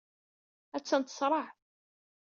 Attan teṣreɛ.